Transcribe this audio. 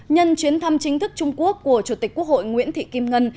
nhân chuyến thăm chính thức trung quốc của chủ tịch quốc hội nguyễn thị kim ngân